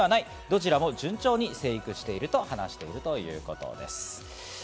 どちらも順調に生育していると話しているということです。